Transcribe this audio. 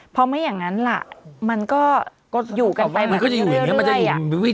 พอไม่อย่างนั้นล่ะมันก็อยู่กันไปเรื่อย